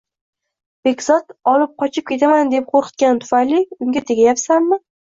Begzod olib qochib ketaman, deb qo`rqitgani tufayli unga tegayapsanmi